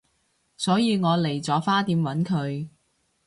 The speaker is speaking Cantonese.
所以我嚟咗花店搵佢